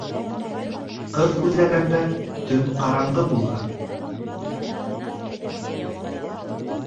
Ҡыҙ күҙләгәндә төн ҡараңғы булһын.